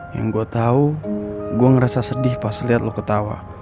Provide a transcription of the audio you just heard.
yang gue tau gue ngerasa sedih pas liat lu ketawa